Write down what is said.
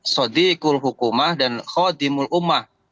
sodikul hukumah dan khodimul umah